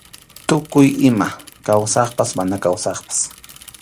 Tukuy ima kawsaqpas mana kawsaqpas.